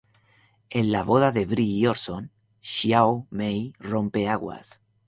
En la boda de Bree y Orson, Xiao Mei rompe aguas.